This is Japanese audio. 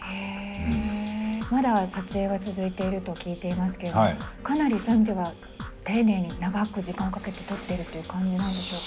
まだ撮影は続いていると聞いていますけれどかなりそういう意味では丁寧に長く時間をかけて撮っているという感じなんでしょうか？